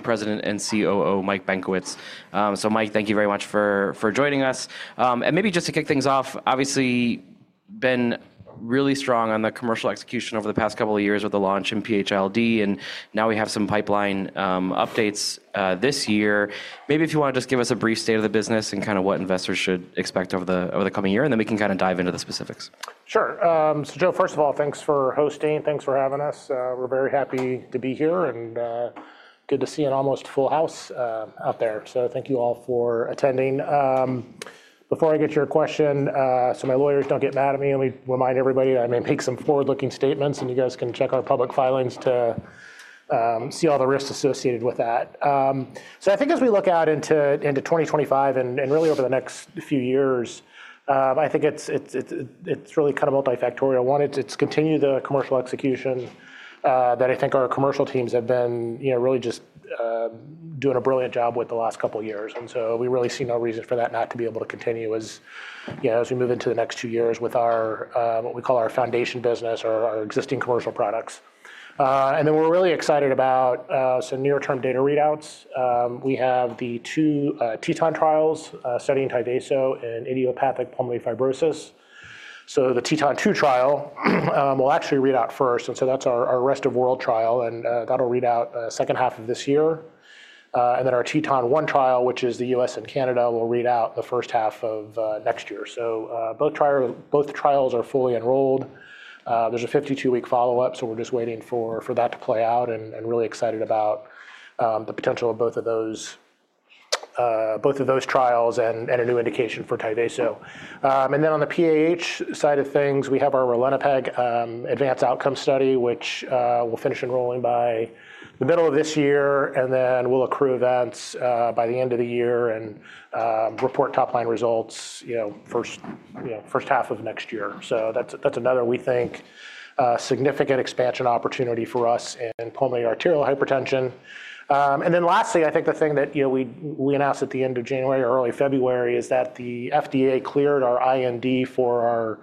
President and COO Mike Benkowitz. So, Mike, thank you very much for joining us. And maybe just to kick things off, obviously, been really strong on the commercial execution over the past couple of years with the launch in PH-ILD. And now we have some pipeline updates this year. Maybe if you want to just give us a brief state of the business and kind of what investors should expect over the coming year, and then we can kind of dive into the specifics. Sure. So, Joe, first of all, thanks for hosting. Thanks for having us. We're very happy to be here and good to see an almost full house out there. So thank you all for attending. Before I get to your question, so my lawyers don't get mad at me, let me remind everybody I may make some forward-looking statements and you guys can check our public filings to see all the risks associated with that. So I think as we look out into 2025 and really over the next few years, I think it's really kind of multifactorial. One, it's continued the commercial execution that I think our commercial teams have been really just doing a brilliant job with the last couple of years. And so we really see no reason for that not to be able to continue as we move into the next two years with what we call our foundation business or our existing commercial products. And then we're really excited about some near-term data readouts. We have the two Teton trials studying Tyvaso and idiopathic pulmonary fibrosis. So the Teton 2 trial will actually read out first. And so that's our rest of world trial, and that'll read out the second half of this year. And then our Teton 1 trial, which is the U.S. and Canada, will read out the first half of next year. So both trials are fully enrolled. There's a 52-week follow-up, so we're just waiting for that to play out and really excited about the potential of both of those trials and a new indication for Tyvaso. And then on the PAH side of things, we have our Ralinepag advanced outcome study, which we'll finish enrolling by the middle of this year. And then we'll accrue events by the end of the year and report top-line results first half of next year. So that's another, we think, significant expansion opportunity for us in pulmonary arterial hypertension. And then lastly, I think the thing that we announced at the end of January or early February is that the FDA cleared our IND for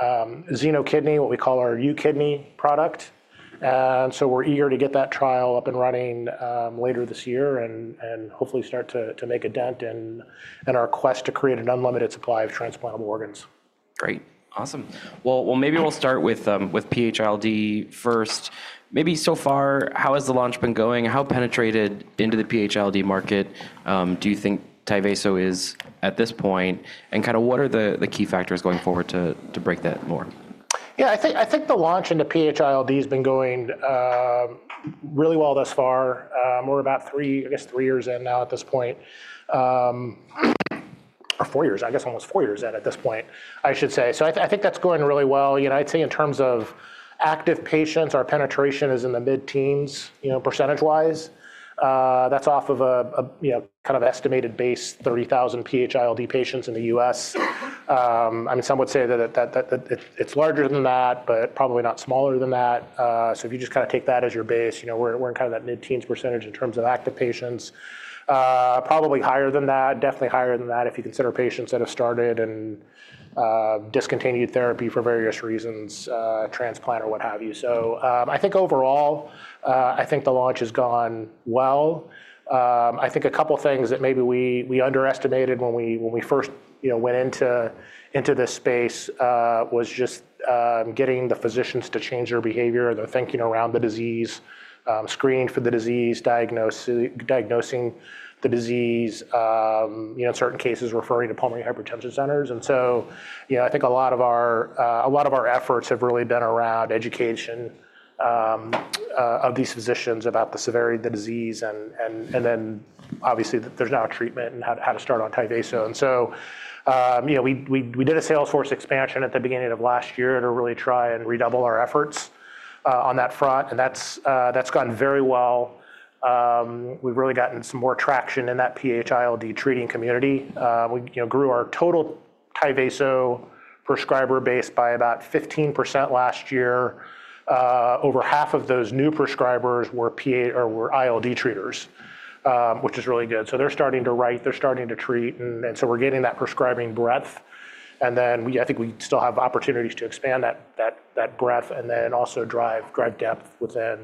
our U-Kidney, what we call our U-Kidney product. And so we're eager to get that trial up and running later this year and hopefully start to make a dent in our quest to create an unlimited supply of transplantable organs. Great. Awesome. Maybe we'll start with PH-ILD first. Maybe so far, how has the launch been going? How penetrated into the PH-ILD market do you think Tyvaso is at this point? And kind of what are the key factors going forward to break that more? Yeah, I think the launch into PH-ILD has been going really well thus far. We're about three, I guess, three years in now at this point. Or four years, I guess almost four years at this point, I should say. So I think that's going really well. I'd say in terms of active patients, our penetration is in the mid-teens % -wise. That's off of a kind of estimated base 30,000 PH-ILD patients in the U.S. I mean, some would say that it's larger than that, but probably not smaller than that. So if you just kind of take that as your base, we're in kind of that mid-teens % in terms of active patients. Probably higher than that, definitely higher than that if you consider patients that have started and discontinued therapy for various reasons, transplant or what have you. So I think overall, I think the launch has gone well. I think a couple of things that maybe we underestimated when we first went into this space was just getting the physicians to change their behavior, their thinking around the disease, screen for the disease, diagnosing the disease, in certain cases referring to pulmonary hypertension centers. And so I think a lot of our efforts have really been around education of these physicians about the severity of the disease and then obviously there's now a treatment and how to start on Tyvaso. And so we did a sales force expansion at the beginning of last year to really try and redouble our efforts on that front. And that's gone very well. We've really gotten some more traction in that PH-ILD treating community. We grew our total Tyvaso prescriber base by about 15% last year. Over half of those new prescribers were ILD treaters, which is really good. So they're starting to write, they're starting to treat, and so we're getting that prescribing breadth. And then I think we still have opportunities to expand that breadth and then also drive depth within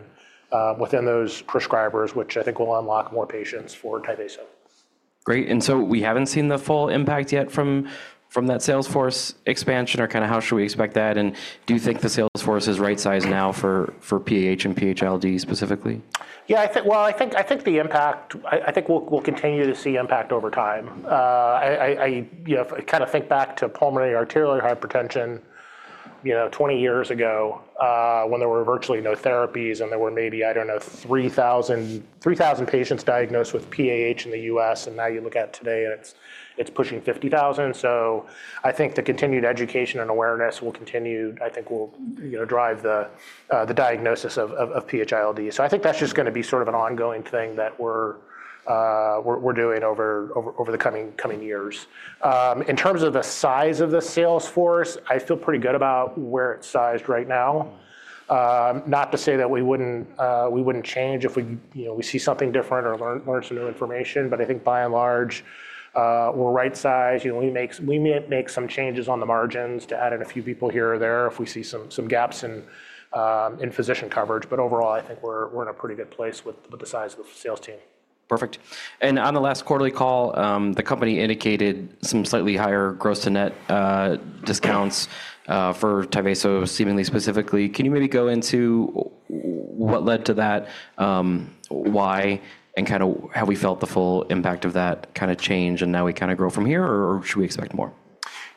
those prescribers, which I think will unlock more patients for Tyvaso. Great, and so we haven't seen the full impact yet from that sales force expansion or kind of how should we expect that, and do you think the sales force is right size now for PAH and PH-ILD specifically? Yeah, well, I think the impact. I think we'll continue to see impact over time. I kind of think back to pulmonary arterial hypertension 20 years ago when there were virtually no therapies and there were maybe, I don't know, 3,000 patients diagnosed with PAH in the U.S. Now you look at today and it's pushing 50,000, so I think the continued education and awareness will continue. I think it will drive the diagnosis of PH-ILD, so I think that's just going to be sort of an ongoing thing that we're doing over the coming years. In terms of the size of the sales force, I feel pretty good about where it's sized right now. Not to say that we wouldn't change if we see something different or learn some new information, but I think by and large we're right sized. We may make some changes on the margins to add in a few people here or there if we see some gaps in physician coverage. But overall, I think we're in a pretty good place with the size of the sales team. Perfect. And on the last quarterly call, the company indicated some slightly higher gross-to-net discounts for Tyvaso seemingly specifically. Can you maybe go into what led to that, why, and kind of how we felt the full impact of that kind of change, and now we kind of grow from here, or should we expect more?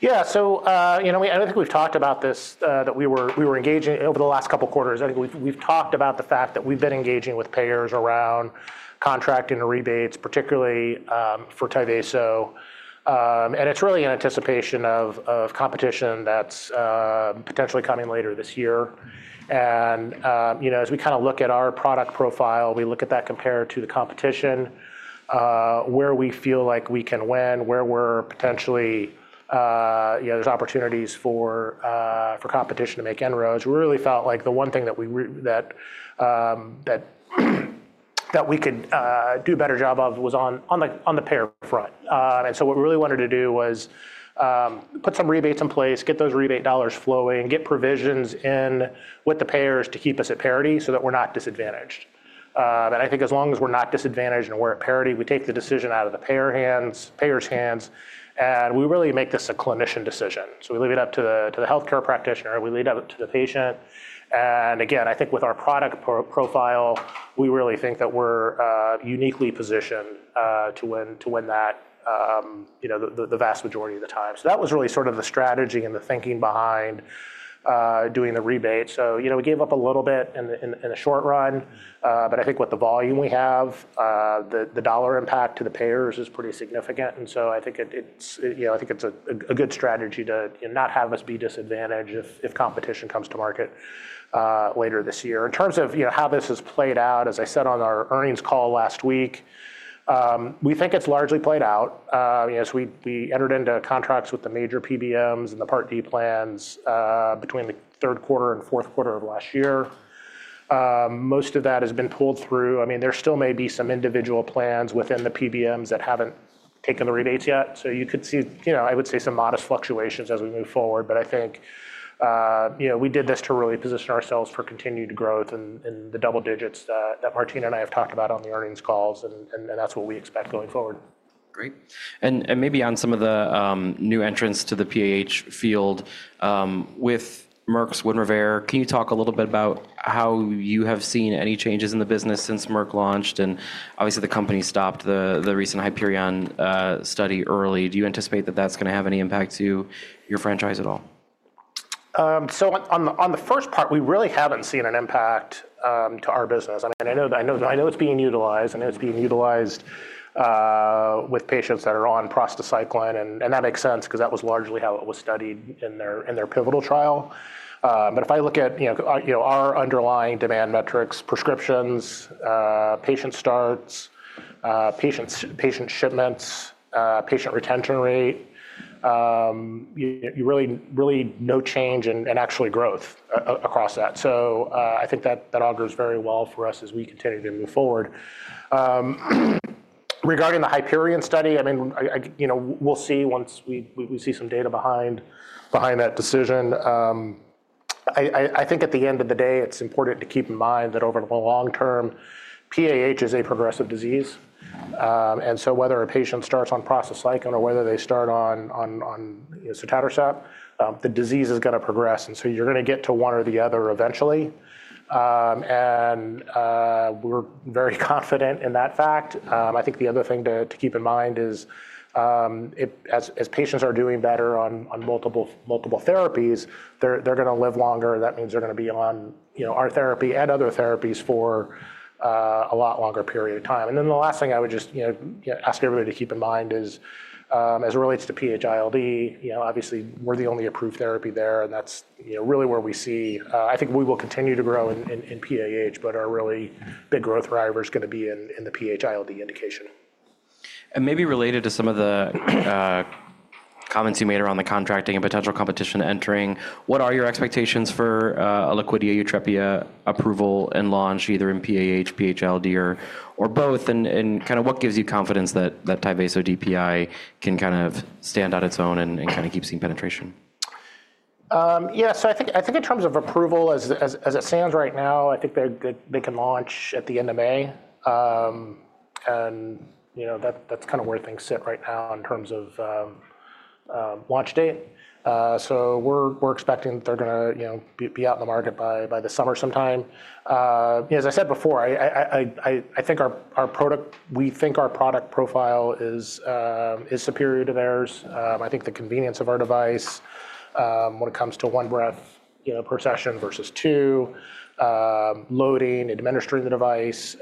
Yeah, so I think we've talked about this, that we were engaging over the last couple of quarters. I think we've talked about the fact that we've been engaging with payers around contracting rebates, particularly for Tyvaso. And it's really in anticipation of competition that's potentially coming later this year. And as we kind of look at our product profile, we look at that compared to the competition, where we feel like we can win, where we're potentially, there's opportunities for competition to make inroads. We really felt like the one thing that we could do a better job of was on the payer front. And so what we really wanted to do was put some rebates in place, get those rebate dollars flowing, get provisions in with the payers to keep us at parity so that we're not disadvantaged. I think as long as we're not disadvantaged and we're at parity, we take the decision out of the payers' hands and we really make this a clinician decision. We leave it up to the healthcare practitioner, we leave it up to the patient. Again, I think with our product profile, we really think that we're uniquely positioned to win that the vast majority of the time. That was really sort of the strategy and the thinking behind doing the rebate. We gave up a little bit in the short run, but I think with the volume we have, the dollar impact to the payers is pretty significant. I think it's a good strategy to not have us be disadvantaged if competition comes to market later this year. In terms of how this has played out, as I said on our earnings call last week, we think it's largely played out. We entered into contracts with the major PBMs and the Part D plans between the third quarter and fourth quarter of last year. Most of that has been pulled through. I mean, there still may be some individual plans within the PBMs that haven't taken the rebates yet. So you could see, I would say, some modest fluctuations as we move forward. But I think we did this to really position ourselves for continued growth in the double digits that Martine and I have talked about on the earnings calls, and that's what we expect going forward. Great. And maybe on some of the new entrants to the PAH field with Merck's Winrevair, can you talk a little bit about how you have seen any changes in the business since Merck launched? And obviously the company stopped the recent Hyperion study early. Do you anticipate that that's going to have any impact to your franchise at all? On the first part, we really haven't seen an impact to our business. I mean, I know it's being utilized. I know it's being utilized with patients that are on prostacyclin. That makes sense because that was largely how it was studied in their pivotal trial. If I look at our underlying demand metrics, prescriptions, patient starts, patient shipments, patient retention rate, really no change in actual growth across that. I think that augurs very well for us as we continue to move forward. Regarding the Hyperion study, I mean, we'll see once we see some data behind that decision. I think at the end of the day, it's important to keep in mind that over the long term, PAH is a progressive disease. Whether a patient starts on prostacyclin or whether they start on sotatercept, the disease is going to progress. So you're going to get to one or the other eventually. We're very confident in that fact. I think the other thing to keep in mind is as patients are doing better on multiple therapies, they're going to live longer. That means they're going to be on our therapy and other therapies for a lot longer period of time. Then the last thing I would just ask everybody to keep in mind is as it relates to PH-ILD, obviously we're the only approved therapy there and that's really where we see, I think we will continue to grow in PAH, but our really big growth driver is going to be in the PH-ILD indication. Maybe related to some of the comments you made around the contracting and potential competition entering, what are your expectations for a Liquidia Yutrepia approval and launch either in PAH, PH-ILD, or both? Kind of what gives you confidence that Tyvaso DPI can kind of stand on its own and kind of keep seeing penetration? Yeah, so I think in terms of approval, as it stands right now, I think they can launch at the end of May, and that's kind of where things sit right now in terms of launch date, so we're expecting that they're going to be out in the market by the summer sometime. As I said before, I think our product profile is superior to theirs. I think the convenience of our device when it comes to one breath per session versus two, loading, administering the device,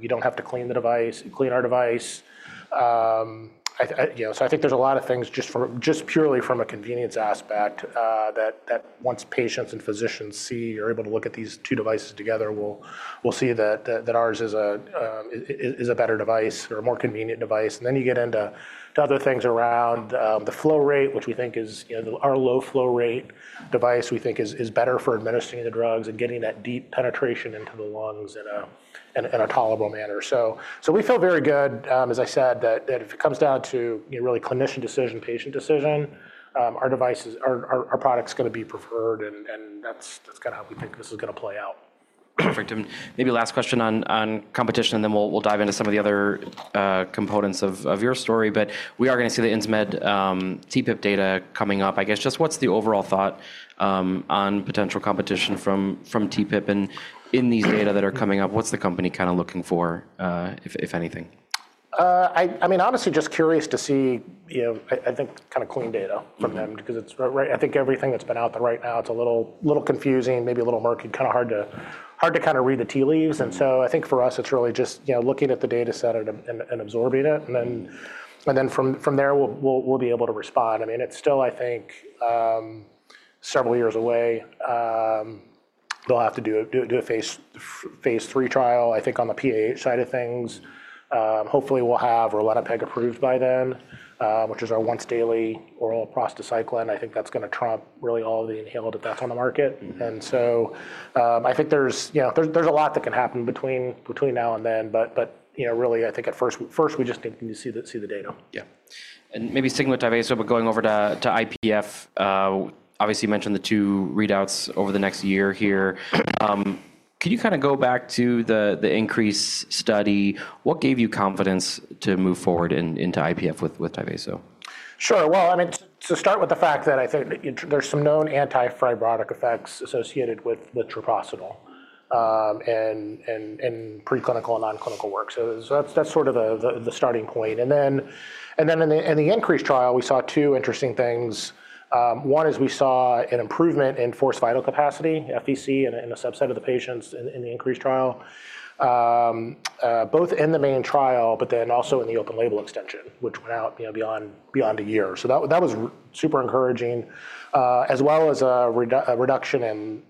you don't have to clean the device, so I think there's a lot of things just purely from a convenience aspect that once patients and physicians see, you're able to look at these two devices together, we'll see that ours is a better device or a more convenient device. Then you get into other things around the flow rate, which we think is our low flow rate device, we think is better for administering the drugs and getting that deep penetration into the lungs in a tolerable manner. We feel very good. As I said, that if it comes down to really clinician decision, patient decision, our product's going to be preferred and that's kind of how we think this is going to play out. Perfect. And maybe last question on competition and then we'll dive into some of the other components of your story. But we are going to see the Insmed TPIP data coming up. I guess just what's the overall thought on potential competition from TPIP? And in these data that are coming up, what's the company kind of looking for, if anything? I mean, honestly, just curious to see, I think kind of clean data from them because I think everything that's been out there right now, it's a little confusing, maybe a little murky, kind of hard to kind of read the tea leaves. And so I think for us, it's really just looking at the data set and absorbing it. And then from there, we'll be able to respond. I mean, it's still, I think, several years away. They'll have to do a phase 3 trial, I think on the PAH side of things. Hopefully, we'll have Ralinepag approved by then, which is our once-daily oral prostacyclin. I think that's going to trump really all of the inhaled if that's on the market. And so I think there's a lot that can happen between now and then, but really, I think at first, we just need to see the data. Yeah. And maybe sticking with Tyvaso, but going over to IPF, obviously you mentioned the two readouts over the next year here. Could you kind of go back to the Increase study? What gave you confidence to move forward into IPF with Tyvaso? Sure. Well, I mean, to start with the fact that I think there's some known anti-fibrotic effects associated with the treprostinil in preclinical and nonclinical work. So that's sort of the starting point, and then in the Increase trial, we saw two interesting things. One is we saw an improvement in forced vital capacity, FVC, in a subset of the patients in the Increase trial, both in the main trial, but then also in the open label extension, which went out beyond a year, so that was super encouraging, as well as a reduction in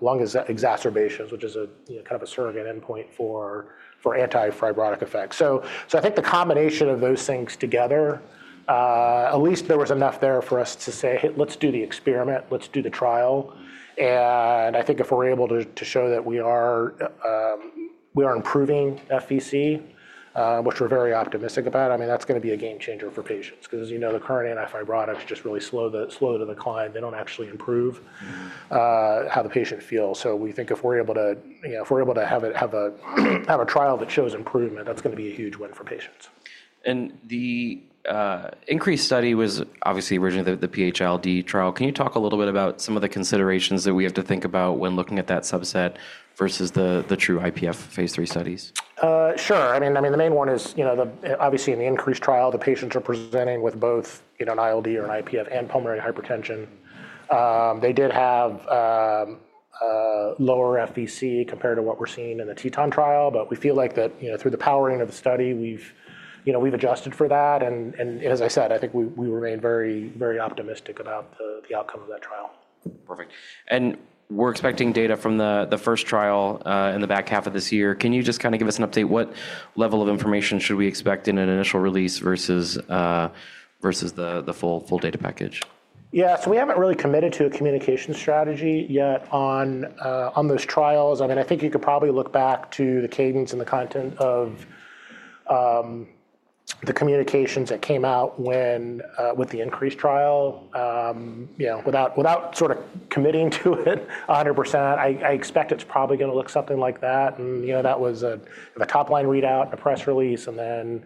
lung exacerbations, which is kind of a surrogate endpoint for anti-fibrotic effects. I think the combination of those things together, at least there was enough there for us to say, "Hey, let's do the experiment, let's do the trial." And I think if we're able to show that we are improving FVC, which we're very optimistic about, I mean, that's going to be a game changer for patients. Because the current anti-fibrotics just really slow the decline. They don't actually improve how the patient feels. So we think if we're able to, if we're able to have a trial that shows improvement, that's going to be a huge win for patients. And the Increase study was obviously originally the PH-ILD trial. Can you talk a little bit about some of the considerations that we have to think about when looking at that subset versus the true IPF phase three studies? Sure. I mean, the main one is obviously in the Increase trial, the patients are presenting with both an ILD or an IPF and pulmonary hypertension. They did have lower FVC compared to what we're seeing in the Teton trial, but we feel like that through the powering of the study, we've adjusted for that. And as I said, I think we remain very optimistic about the outcome of that trial. Perfect. And we're expecting data from the first trial in the back half of this year. Can you just kind of give us an update? What level of information should we expect in an initial release versus the full data package? Yeah, so we haven't really committed to a communication strategy yet on those trials. I mean, I think you could probably look back to the cadence and the content of the communications that came out with the Increase trial. Without sort of committing to it 100%, I expect it's probably going to look something like that, and that was a top-line readout, a press release, and then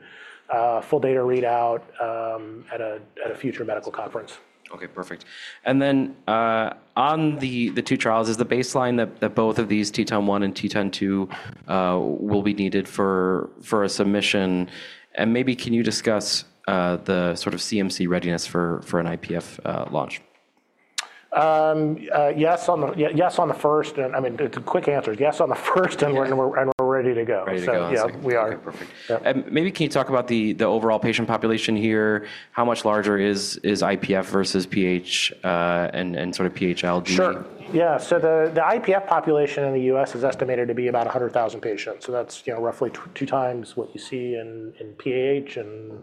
a full data readout at a future medical conference. Okay, perfect. And then on the two trials, is the baseline that both of these Teton 1 and Teton 2 will be needed for a submission? And maybe can you discuss the sort of CMC readiness for an IPF launch? Yes on the first. I mean, it's a quick answer. Yes on the first and we're ready to go. So yeah, we are. Perfect. And maybe can you talk about the overall patient population here? How much larger is IPF versus PH and sort of PH-ILD? Sure. Yeah. So the IPF population in the U.S. is estimated to be about 100,000 patients. So that's roughly two times what you see in PAH. And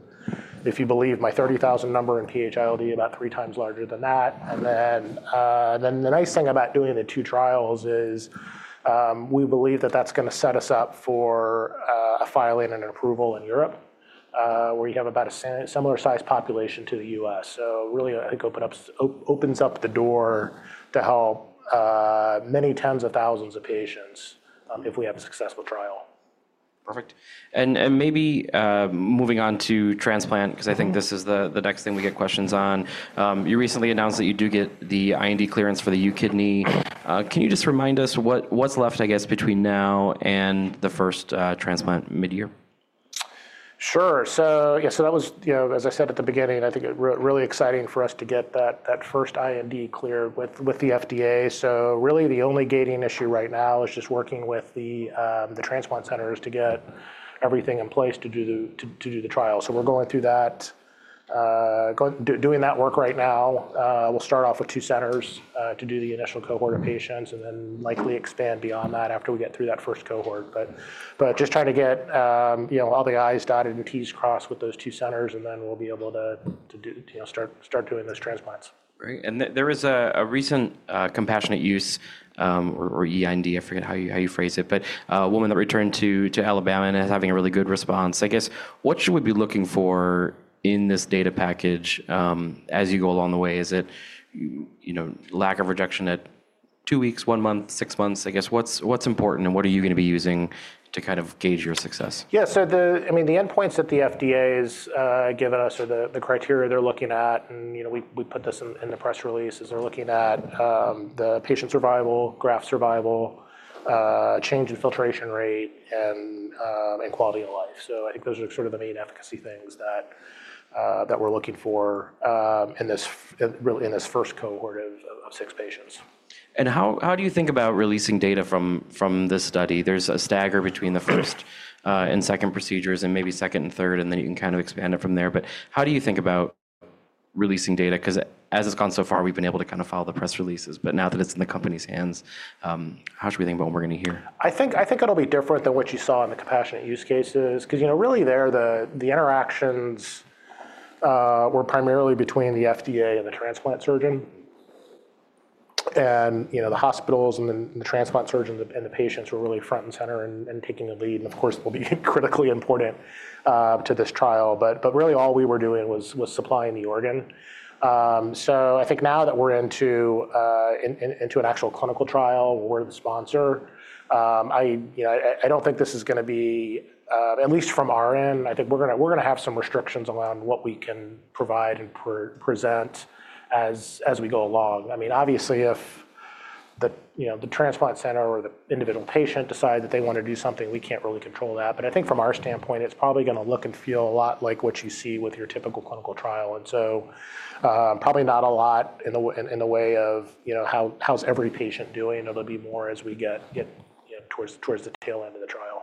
if you believe my 30,000 number in PH-ILD, about three times larger than that. And then the nice thing about doing the two trials is we believe that that's going to set us up for a filing and an approval in Europe, where you have about a similar size population to the U.S. So really, I think it opens up the door to help many tens of thousands of patients if we have a successful trial. Perfect. And maybe moving on to transplant, because I think this is the next thing we get questions on. You recently announced that you do get the IND clearance for the U-Kidney. Can you just remind us what's left, I guess, between now and the first transplant mid-year? Sure. So yeah, so that was, as I said at the beginning, I think really exciting for us to get that first IND cleared with the FDA. So really the only gating issue right now is just working with the transplant centers to get everything in place to do the trial. So we're going through that, doing that work right now. We'll start off with two centers to do the initial cohort of patients and then likely expand beyond that after we get through that first cohort. But just trying to get all the I's dotted and T's crossed with those two centers and then we'll be able to start doing those transplants. Great. And there was a recent compassionate use or EIND, I forget how you phrase it, but a woman that returned to Alabama and is having a really good response. I guess what should we be looking for in this data package as you go along the way? Is it lack of rejection at two weeks, one month, six months? I guess what's important and what are you going to be using to kind of gauge your success? Yeah. So I mean, the endpoints that the FDA has given us are the criteria they're looking at. And we put this in the press release as they're looking at the patient survival, graft survival, change in filtration rate, and quality of life. So I think those are sort of the main efficacy things that we're looking for in this first cohort of six patients. How do you think about releasing data from this study? There's a stagger between the first and second procedures and maybe second and third, and then you can kind of expand it from there. How do you think about releasing data? Because as it's gone so far, we've been able to kind of follow the press releases. Now that it's in the company's hands, how should we think about what we're going to hear? I think it'll be different than what you saw in the compassionate use cases. Because really there, the interactions were primarily between the FDA and the transplant surgeon, and the hospitals and the transplant surgeons and the patients were really front and center and taking the lead, and of course, they'll be critically important to this trial, but really all we were doing was supplying the organ, so I think now that we're into an actual clinical trial, we're the sponsor. I don't think this is going to be, at least from our end, I think we're going to have some restrictions around what we can provide and present as we go along. I mean, obviously, if the transplant center or the individual patient decides that they want to do something, we can't really control that. But I think from our standpoint, it's probably going to look and feel a lot like what you see with your typical clinical trial. And so probably not a lot in the way of how's every patient doing. It'll be more as we get towards the tail end of the trial.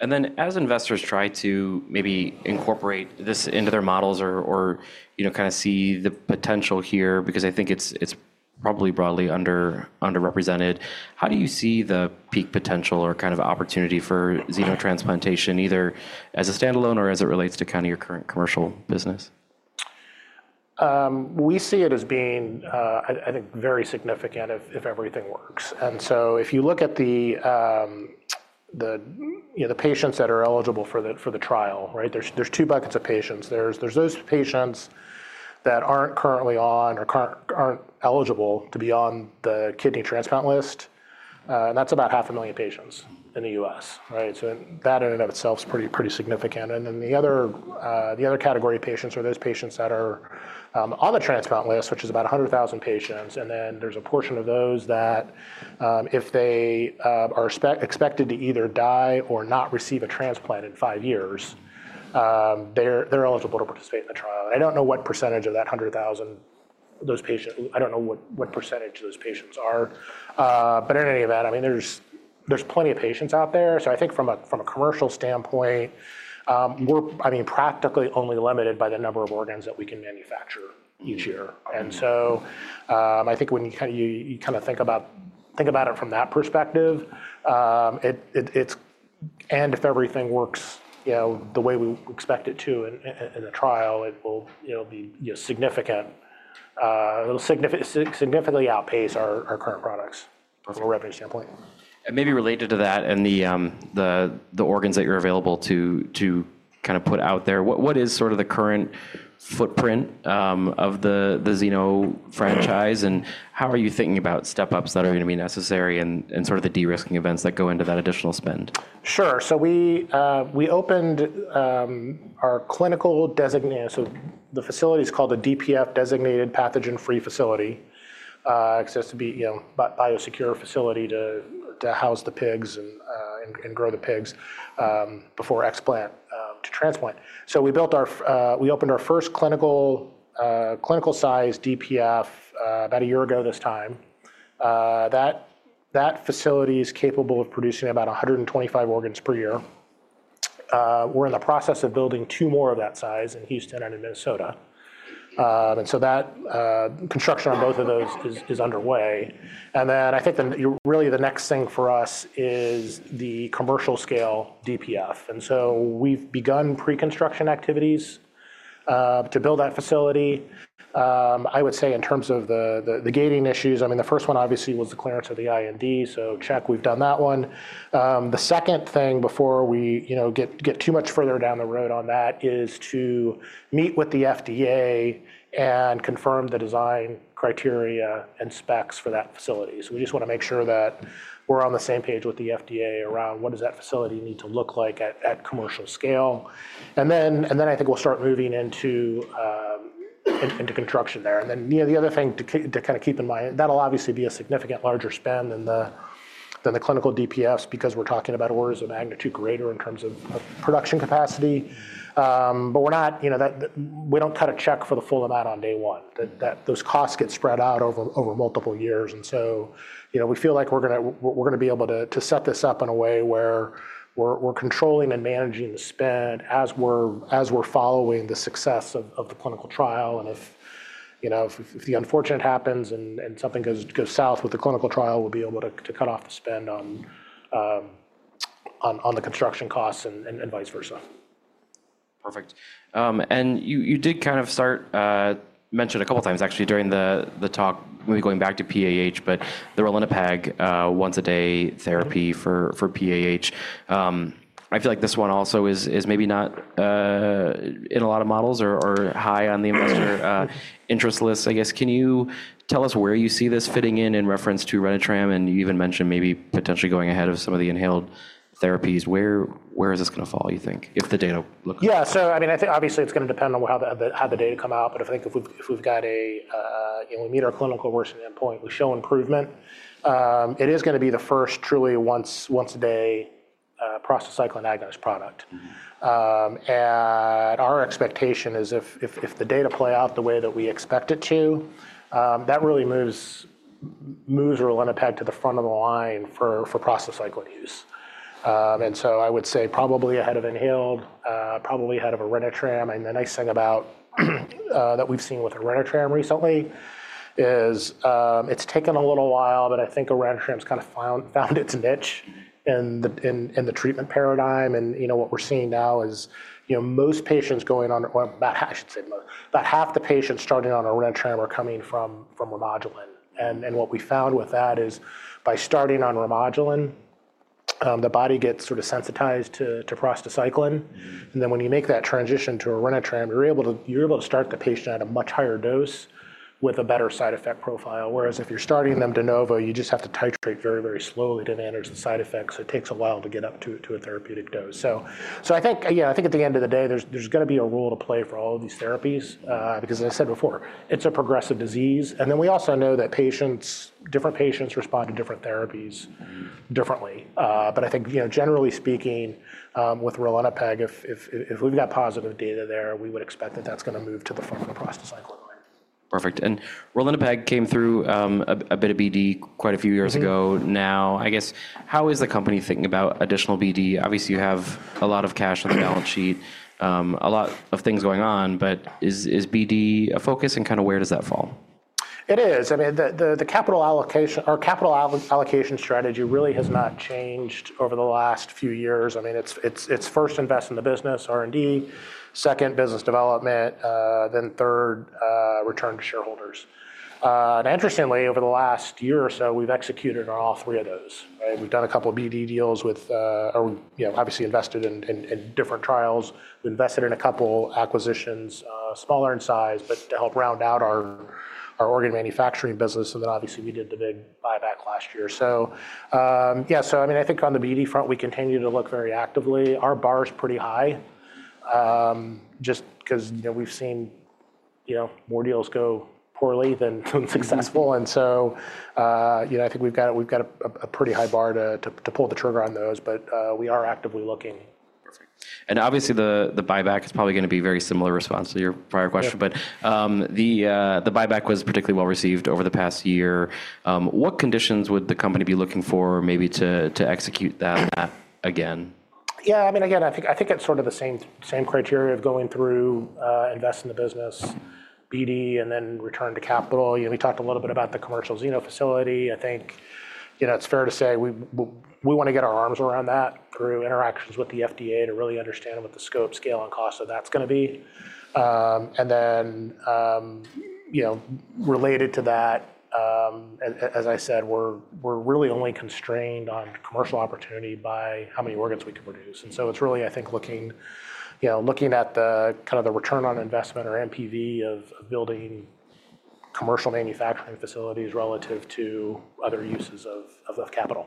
And then as investors try to maybe incorporate this into their models or kind of see the potential here, because I think it's probably broadly underrepresented, how do you see the peak potential or kind of opportunity for xenotransplantation, either as a standalone or as it relates to kind of your current commercial business? We see it as being, I think, very significant if everything works. And so if you look at the patients that are eligible for the trial, right, there's two buckets of patients. There's those patients that aren't currently on or aren't eligible to be on the kidney transplant list. And that's about 500,000 patients in the U.S. So that in and of itself is pretty significant. And then the other category of patients are those patients that are on the transplant list, which is about 100,000 patients. And then there's a portion of those that if they are expected to either die or not receive a transplant in five years, they're eligible to participate in the trial. And I don't know what percentage of that 100,000, those patients, I don't know what percentage of those patients are. But in any event, I mean, there's plenty of patients out there, so I think from a commercial standpoint, we're practically only limited by the number of organs that we can manufacture each year, and so I think when you kind of think about it from that perspective, and if everything works the way we expect it to in the trial, it will be significant, significantly outpace our current products from a revenue standpoint. And maybe related to that and the organs that you're available to kind of put out there, what is sort of the current footprint of the xeno franchise? And how are you thinking about step-ups that are going to be necessary and sort of the de-risking events that go into that additional spend? Sure. So we opened our clinical DPF, so the facility is called a DPF designated pathogen-free facility. It's just to be a biosecure facility to house the pigs and grow the pigs before explant to transplant. So we opened our first clinical-sized DPF about a year ago this time. That facility is capable of producing about 125 organs per year. We're in the process of building two more of that size in Houston and in Minnesota, and so that construction on both of those is underway, and then I think really the next thing for us is the commercial-scale DPF. And so we've begun pre-construction activities to build that facility. I would say in terms of the gating issues, I mean, the first one obviously was the clearance of the IND, so check, we've done that one. The second thing before we get too much further down the road on that is to meet with the FDA and confirm the design criteria and specs for that facility. So we just want to make sure that we're on the same page with the FDA around what does that facility need to look like at commercial scale, and then I think we'll start moving into construction there, and then the other thing to kind of keep in mind, that'll obviously be a significant larger spend than the clinical DPFs because we're talking about orders of magnitude greater in terms of production capacity, but we don't cut a check for the full amount on day one. Those costs get spread out over multiple years. And so we feel like we're going to be able to set this up in a way where we're controlling and managing the spend as we're following the success of the clinical trial. And if the unfortunate happens and something goes south with the clinical trial, we'll be able to cut off the spend on the construction costs and vice versa. Perfect. And you did kind of start mentioning a couple of times actually during the talk when we're going back to PAH, but the Ralinepag once-a-day therapy for PAH. I feel like this one also is maybe not in a lot of models or high on the investor interest list, I guess. Can you tell us where you see this fitting in in reference to Orenitram? And you even mentioned maybe potentially going ahead of some of the inhaled therapies. Where is this going to fall, you think, if the data look? Yeah. So I mean, I think obviously it's going to depend on how the data come out. But I think if we've got a, when we meet our clinical primary endpoint, we show improvement, it is going to be the first truly once-a-day prostacyclin agonist product. And our expectation is if the data play out the way that we expect it to, that really moves Ralinepag to the front of the line for prostacyclin use. And so I would say probably ahead of inhaled, probably ahead of Orenitram. And the nice thing about that we've seen with Orenitram recently is it's taken a little while, but I think Orenitram has kind of found its niche in the treatment paradigm. And what we're seeing now is most patients going on, I should say most, about half the patients starting on Orenitram are coming from Remodulin. What we found with that is by starting on Remodulin, the body gets sort of sensitized to prostacyclin. Then when you make that transition to an Orenitram, you're able to start the patient at a much higher dose with a better side effect profile. Whereas if you're starting them de novo, you just have to titrate very, very slowly to manage the side effects. It takes a while to get up to a therapeutic dose. I think at the end of the day, there's going to be a role to play for all of these therapies. Because as I said before, it's a progressive disease. We also know that different patients respond to different therapies differently. I think generally speaking, with Ralinepag, if we've got positive data there, we would expect that that's going to move to the front of the prostacyclin line. Perfect. And Ralinepag came through a bit of BD quite a few years ago now. I guess how is the company thinking about additional BD? Obviously, you have a lot of cash on the balance sheet, a lot of things going on, but is BD a focus and kind of where does that fall? It is. I mean, the capital allocation or capital allocation strategy really has not changed over the last few years. I mean, it's first invest in the business, R&D, second business development, then third return to shareholders. Interestingly, over the last year or so, we've executed on all three of those. We've done a couple of BD deals with, or obviously invested in different trials. We invested in a couple acquisitions, smaller in size, but to help round out our organ manufacturing business. Then obviously we did the big buyback last year. So yeah, so I mean, I think on the BD front, we continue to look very actively. Our bar is pretty high just because we've seen more deals go poorly than successful. So I think we've got a pretty high bar to pull the trigger on those, but we are actively looking. Perfect. And obviously the buyback is probably going to be very similar response to your prior question, but the buyback was particularly well received over the past year. What conditions would the company be looking for maybe to execute that again? Yeah. I mean, again, I think it's sort of the same criteria of going through, invest in the business, BD, and then return to capital. We talked a little bit about the commercial xeno facility. I think it's fair to say we want to get our arms around that through interactions with the FDA to really understand what the scope, scale, and cost of that's going to be. And then related to that, as I said, we're really only constrained on commercial opportunity by how many organs we can produce. And so it's really, I think, looking at the kind of the return on investment or NPV of building commercial manufacturing facilities relative to other uses of capital.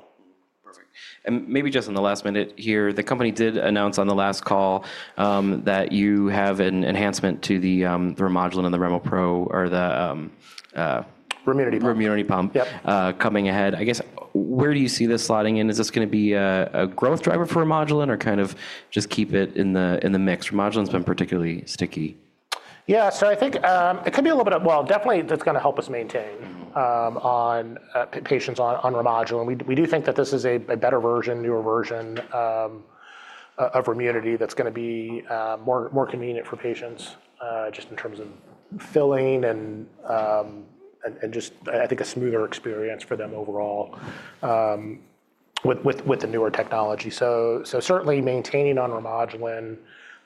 Perfect. And maybe just in the last minute here, the company did announce on the last call that you have an enhancement to the Remodulin and the Remunity or the. Remunity pump. Remunity pump coming ahead. I guess where do you see this sliding in? Is this going to be a growth driver for Remodulin or kind of just keep it in the mix? Remodulin has been particularly sticky. Yeah. So I think it could be a little bit, well, definitely it's going to help us maintain on patients on Remodulin. We do think that this is a better version, newer version of Remunity that's going to be more convenient for patients just in terms of filling and just, I think, a smoother experience for them overall with the newer technology. So certainly maintaining on Remodulin,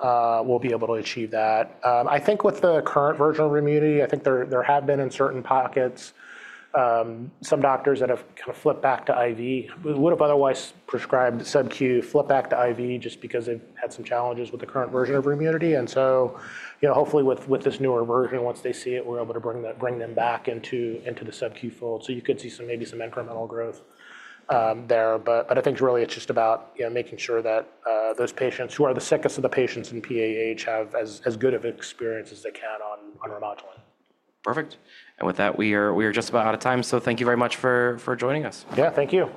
we'll be able to achieve that. I think with the current version of Remunity, I think there have been in certain pockets, some doctors that have kind of flipped back to IV, would have otherwise prescribed, flipped back to IV just because they've had some challenges with the current version of Remunity. And so hopefully with this newer version, once they see it, we're able to bring them back into the sub-Q fold. So you could see maybe some incremental growth there. But I think really it's just about making sure that those patients who are the sickest of the patients in PAH have as good of experience as they can on Remodulin. Perfect. And with that, we are just about out of time. So thank you very much for joining us. Yeah, thank you.